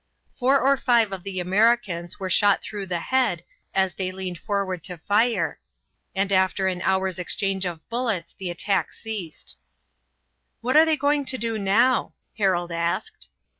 Four or five of the Americans were shot through the head as they leaned forward to fire, and after an hour's exchange of bullets the attack ceased. "What are they going to do now?" Harold asked.